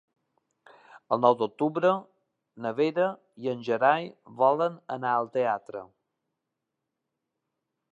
El nou d'octubre na Vera i en Gerai volen anar al teatre.